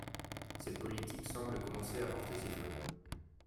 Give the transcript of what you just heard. Cette politique semble commencer à porter ses fruits.